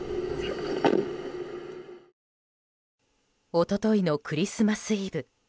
一昨日のクリスマスイブ。